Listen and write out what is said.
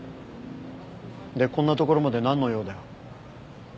でこんなところまでなんの用だよ？